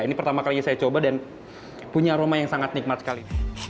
ini pertama kalinya saya coba dan punya aroma yang sangat nikmat sekali